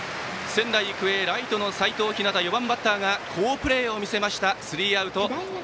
仙台育英、ライトの齋藤陽４番バッターが好プレーを見せてスリーアウト。